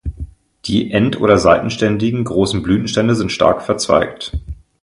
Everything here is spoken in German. Die end- oder seitenständigen, großen Blütenstände sind stark verzweigt.